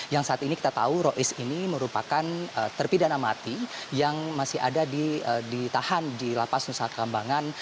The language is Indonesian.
yang saat ini kita tahu ini merupakan terpi dana mati yang masih ada ditahan di lapas nusantar keambangan